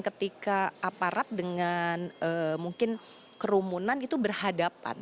ketika aparat dengan mungkin kerumunan itu berhadapan